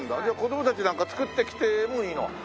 じゃあ子供たちなんか作ってきてもいいの？